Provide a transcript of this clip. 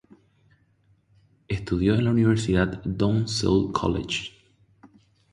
Estudió en la "Universidad Dong Seoul College".